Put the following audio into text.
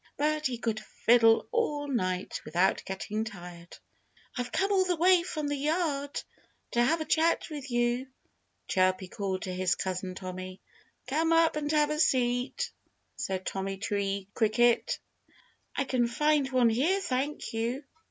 But he could fiddle all night without getting tired. "I've come all the way from the yard to have a chat with you!" Chirpy called to his cousin Tommy. "Come up and have a seat!" said Tommy Tree Cricket. "I can find one here, thank you!"